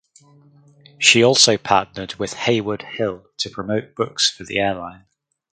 She also partnered with Heywood Hill to provide books for the airline.